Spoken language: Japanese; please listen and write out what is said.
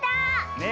ねえ。